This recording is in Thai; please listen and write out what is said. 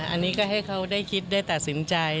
อันนี้ก็ให้เขาได้คิดได้ตัดสินใจ